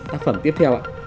tác phẩm tiếp theo ạ